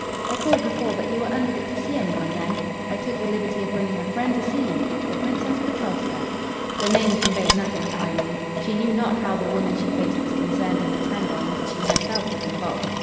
"I called before, but you were unfit to see any one then. I took the liberty of bringing a friend to see you the Princess Petrovska." The name conveyed nothing to Eileen. She knew not how the woman she faced was concerned in the tangle in which she herself was involved.